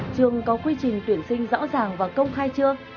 trường có quy trình tuyển sinh rõ ràng và công khai chưa